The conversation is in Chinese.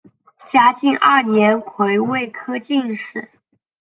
嘉靖二年癸未科进士。